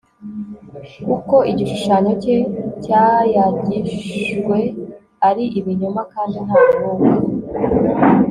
kuko igishushanyo cye cyayagijwe ari ibinyoma kandi nta mwuka